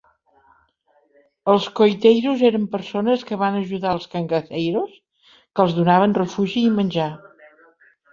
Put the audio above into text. Els coiteiros eren persones que van ajudar els cangaceiros, que els donaven refugi i menjar.